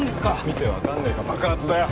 見て分かんねえか爆発だよ